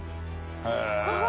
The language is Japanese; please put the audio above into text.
へえ。